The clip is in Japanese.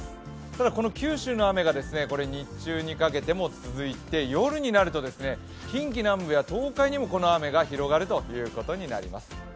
ただ、九州の雨が日中にかけても続いて夜になると近畿南部や東海にもこの雨が広がるということになります。